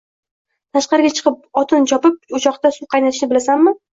tashqariga chiqib o‘tin chopib, o‘choqda suv qaynatishini bilasanmi?